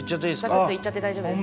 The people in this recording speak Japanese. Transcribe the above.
サクッといっちゃって大丈夫です。